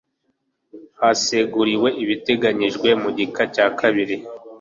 Haseguriwe ibiteganyijwe mu gika cya kabiri